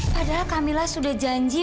padahal kamila sudah janji